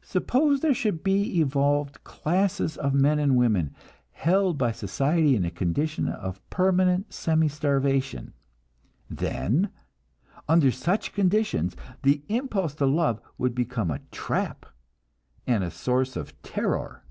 Suppose there should be evolved classes of men and women, held by society in a condition of permanent semi starvation; then, under such conditions, the impulse to love would become a trap and a source of terror.